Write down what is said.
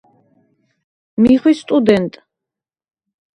მი ხვი სტუდენტ.